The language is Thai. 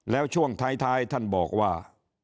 แล้วช่วงท้ายท่านบอกว่า